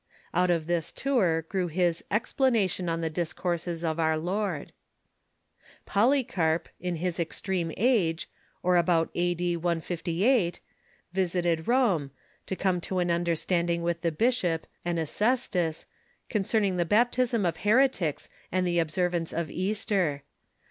Out of this tour grew his Explanation of the Discourses of our Lord. Polycarp, in his extreme age, or about a.d. 158, visited Rome, to come to an understanding with the bishop, Anice tus, concerning the baptism of heretics and the observance of Easter.